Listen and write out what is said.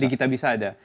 di kitabisa ada